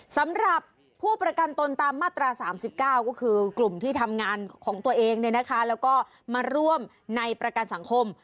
สำหรับผู้ประกันตนตามมาตรา๓๙ก็คือกลุ่มที่ทำงานของตัวเองแล้วก็มาร่วมในประกันสังคม